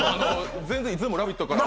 全然いつでも「ラヴィット！」からは。